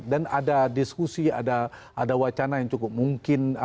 dan ada diskusi ada wacana yang cukup mungkin